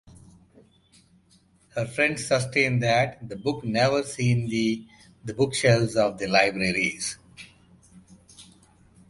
Her friends sustain that the book never seen the bookshelves of the libraries.